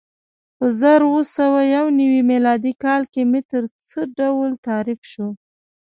په زر اووه سوه یو نوې میلادي کال کې متر څه ډول تعریف شو؟